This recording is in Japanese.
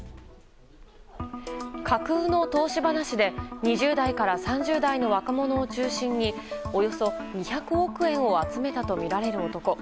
架空の投資話で２０代から３０代の若者を中心におよそ２００億円を集めたとみられる男。